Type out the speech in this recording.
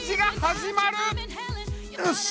よし！